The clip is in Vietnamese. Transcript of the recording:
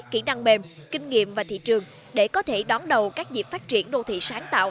kỹ năng mềm kinh nghiệm và thị trường để có thể đón đầu các dịp phát triển đô thị sáng tạo